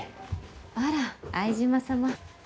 あら相島様。